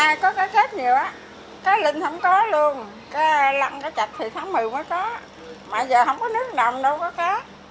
năm nay có cá kết nhiều á cá linh không có luôn cá lăng cá chạch thì tháng một mươi mới có mà giờ không có nước đồng đâu có cá